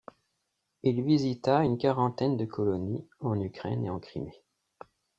Il visita une quarantaine de Colonies en Ukraine et en Crimée.